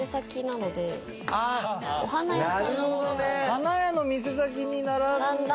「花屋の店先に並んだ」。